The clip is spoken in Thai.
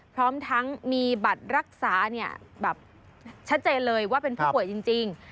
พร้อมทั้งมีบัตรรักษาแบบชัดเจนเลยว่าเป็นผู้ป่วยจริง